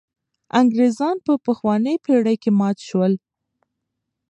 انګرېزان په پخوانۍ پېړۍ کې مات شول.